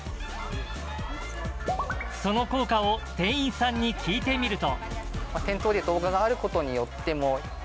その効果を店員さんに聞いてみると。